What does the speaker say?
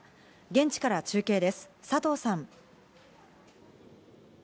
現地から中継です、佐藤さん。